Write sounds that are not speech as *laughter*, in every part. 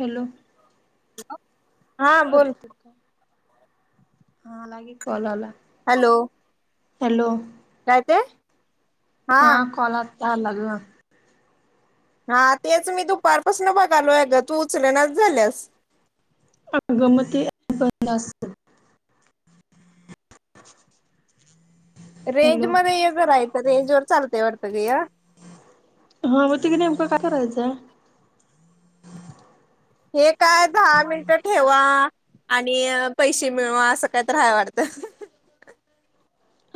Hello hello *unintelligible* हा आला की कॉल आला. हॅलो हॅलो काय ते? हा कॉल आता आला. *unintelligible* हा तेच मी दुपारपासून बघालो आहे ग तू उचल नाच झाल्यास अगं *unintelligible* *inaudible* रेंज हॅलो मध्ये ये जरा हित रेंज वर चालतय वाटत. सगळ्या हा मग ते नेमकं काय करायचंय? हे काय दहा मिनिट ठेवा आणि पैसे मिळवा असं काय तरी हाय वाटतं.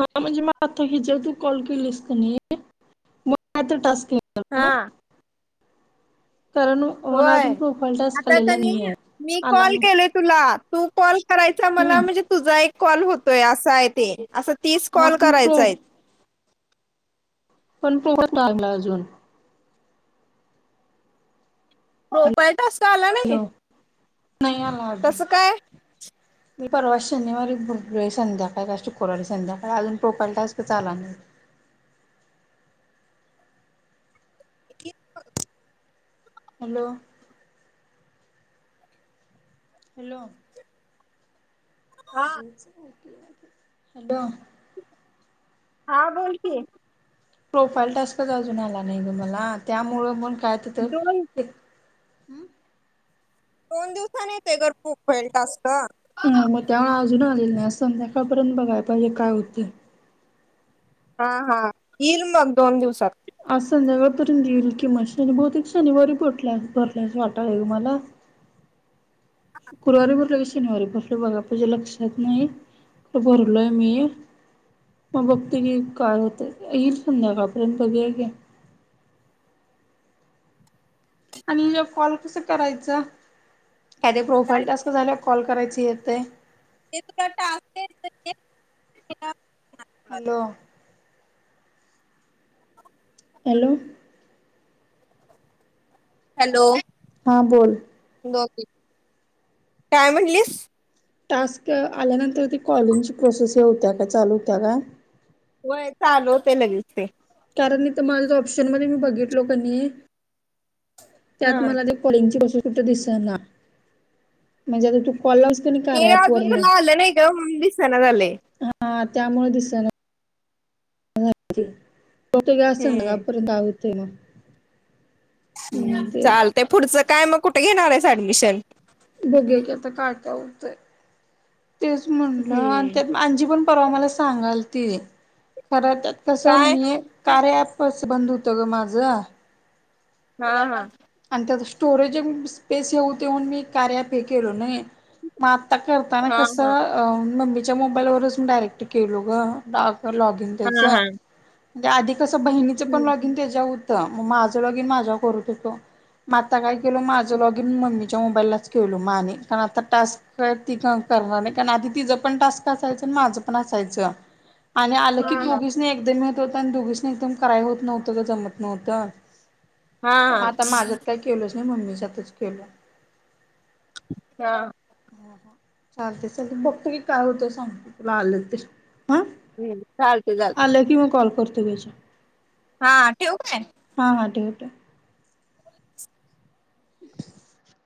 हा म्हणजे मला आता ह्याच्यावर तू कॉल केलीस कनी मग आता टास्क येणार? हा काय कारण मला होय अजून प्रोफाईल टास्क आता आलेला नाही त्यांनी आहे मी आला कॉल केलोय नाही तुला तू कॉल करायचा मला हम्म म्हणजे तुझा एक कॉल होतोय असा आहे ते असं तीस हा कॉल पण करायच प्रो आहेत. पण फोन नाही लागला अजून *unintelligible* टास्क आला नाही? हॅलो नाही आला अजून कसं काय. मी परवा शनिवारी भुग संध्याकाळी का शुक्रवारी संध्याकाळी अजून प्रोफाइल टास्क चालू हाय. *inaudible* हॅलो. हॅलो‌. हा बच *inaudible* हॅलो. हा बोल की. प्रोफाईल टास्कच अजून आला नाही ग मला त्यामुळ खात तर दोन एक *unintelligible* हम्म *inaudible* दोन दिवसानी येतोय ग प्रोफाइल टास्क. हा मग त्यामुळे अजून आलेले नाही अस संध्याकाळपर्यंत बघायला पाहिजे काय होतय. हा हा येईल मग दोन दिवसात. आज संध्याकाळपर्यंत येेईल कि मझ शनी बहुतेक शनिवारी भटल्या भरल्यास वाटालय मला. शुक्रवारी भरलं की लक्षात नाही तर भरलोय मी मग बघतोय की काय होतं येईल संध्याकाळपर्यंत बघूया घे. आणि हे कॉल कस करायचं. काय ते प्रोफाईल टास्क झाल्यावर कॉल करायच. सेत *unintelligible* *unintelligible* हॅलो हॅलो. हॅलो. हा बोल. काय म्हंटलीस. टास्क आल्यानंतर ते कॉलिंगची प्रोसेस होत्या काय चालू होत्या काय. व्हय चालू होतंय लगेच ते. कारण इथ माझ ऑप्शन मध्ये मी बघितलो कनी त्यात हा. मला ते कॉलिंगची *unintelligible* कुठ दिसना म्हणजे आता कॉल लावलीस कणी ते कार्या ॲप अजून तुला वरनं आलं नाही ग म्हणून दिसना झालय. हा त्यामुळे दिसना. हजे *unintelligible* होठ ग्यास का हम्म. आपंता *unintelligible* ते मग हम्म ते चालतय पुढचं? काय मग कुठे घेणार आहेस ऍडमिशन? बघूया की आता काय काय होतय. तेच म्हणलं आणि हम्म. त्यात आजी पण परवा मला सांगाल ती. खरतर तसं काय? मी कार्या ॲपस् बंद होत ग माझं. हां-हां आणि त्यात स्टोरेज म् स्पेस येऊ तेऊन मी कार्या ॲप ए केलो नई. म आता करताना हा हा कसं अं मम्मी च्या मोबाईल वरच मी डायरेक्ट केलो गं डा तर लॉग इन हा त्याचं. हा. या आधी कसं बहिणीचं पण हम्म. लॉगइन त्याज्याव होत् तं म माझं लॉगइन माझ्या व करू टेवतो. मात् त काय केलो माझं लॉगइन मम्मी च्या मोबाईललाच केलो. माणि पण आता टास्क ती का करणार नाही, काण आधी तिजं पण टास्क असायचं न् माझं पण असायचं. आणि आलं हा की हा दोघीसनी एकदम येत् होतं अन् दोघीसनी एकदम कराय होत नव्हतं गं जमत नव्हतं. हां-हां त माझ्यात काय केलंस् नही मम्मीच्यातच केलो. हा हम् हां चालते चालते, बघतो की काय होतं सांगतो तुला आलं तर. हा हम्म, चालते चालते. पोर्तुगेज हां, ठेवू काय? *inaudible* *inaudible*